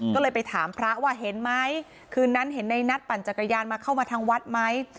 ก็เลยไปถามพระว่าเห็นไหมคืนนั้นเห็นในนัทปั่นจักรยานมาเข้ามาทางวัดไหม